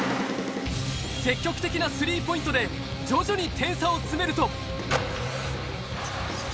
積極的なスリーポイントで徐々に点差を詰めると。